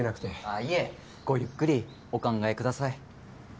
あぁいえごゆっくりお考えください。